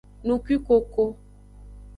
Nukwikoko.